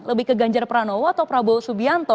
lebih ke ganjar pranowo atau prabowo subianto